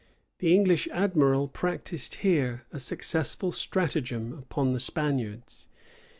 The English admiral practised here a successful stratagem upon the Spaniards.